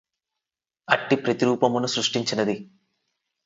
అట్టి ప్రతిరూపమును సృష్టించినది